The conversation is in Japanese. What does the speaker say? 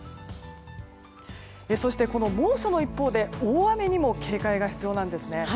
そして、この猛暑の一方で大雨にも警戒が必要なんですね。